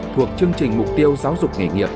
thuộc chương trình mục tiêu giáo dục nghề nghiệp